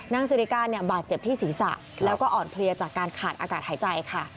สิริการบาดเจ็บที่ศีรษะแล้วก็อ่อนเพลียจากการขาดอากาศหายใจค่ะ